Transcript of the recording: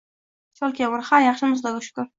Chol kampir: ha yaxshimiz xudoga shukr.